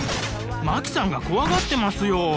麻貴さんが怖がってますよ。